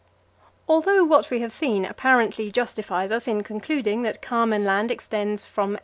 Although what we have seen apparently justifies us in concluding that Carmen Land extends from 86° S.